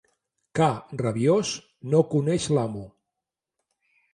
Ca rabiós no coneix l'amo.